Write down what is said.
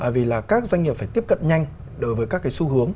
vì là các doanh nghiệp phải tiếp cận nhanh đối với các cái xu hướng